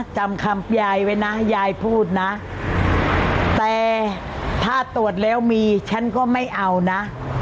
จำคำยายไว้นะยายพูดนะแต่ถ้าตรวจแล้วมีฉันก็ไม่เอานะ